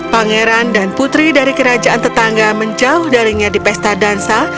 pangeran dan putri dari kerajaan tetangga menjauh dari kerajaan